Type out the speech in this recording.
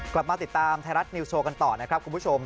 กลับมาติดตามไทยรัฐนิวโชว์กันต่อนะครับคุณผู้ชม